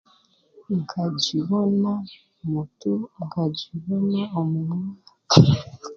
Nkagibona omutu nkagibona ahanyima